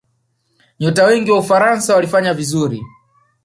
nyota wengi wa ufaransa walifanya vizuri